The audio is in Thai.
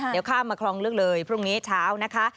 เดี๋ยวข้ามมาคลองลึกเลยพรุ่งนี้เช้านะคะ